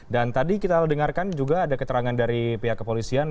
dan tadi kita dengarkan juga ada keterangan dari pihak kepolisian